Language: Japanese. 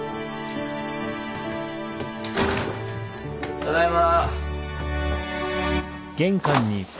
ただいま。